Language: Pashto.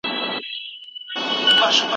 څوک د ژورنالیستانو د حقونو او خوندیتوب تضمین کوي؟